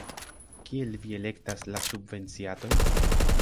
Kiel vi elektas la subvenciatojn?